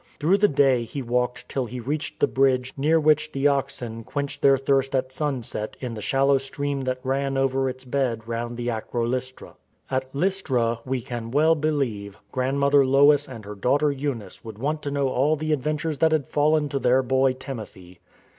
Through the day he walked till he reached the bridge near which the oxen quenched their thirst at sunset in the shallow stream that ran over its bed round the Acro Lystra. At Lystra (we can well believe) grandmother Lois and her daughter Eunice would want to know all the adventures that had fallen to their boy Timothy.